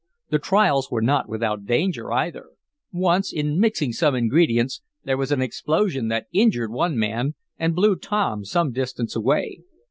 The trials were not without danger, either. Once, in mixing some ingredients, there was an explosion that injured one man, and blew Tom some distance away.